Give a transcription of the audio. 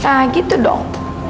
tak gitu dong